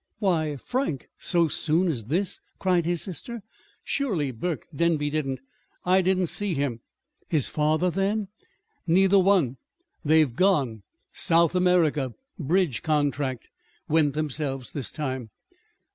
"Why, Frank, so soon as this?" cried his sister. "Surely Burke Denby didn't " "I didn't see him." "His father, then?" "Neither one. They're gone. South America. Bridge contract. Went themselves this time."